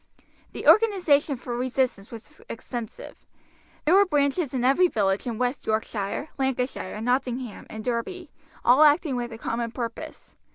The organization for resistance was extensive. There were branches in every village in West Yorkshire, Lancashire, Nottingham, and Derby all acting with a common purpose.